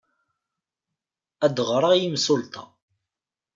Ad ɣreɣ i yimsulta.